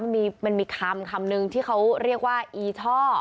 มันมีคำคำนึงที่เขาเรียกว่าอีช่อ